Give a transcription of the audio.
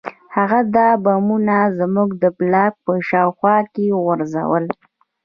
هغه دا بمونه زموږ د بلاک په شاوخوا کې وغورځول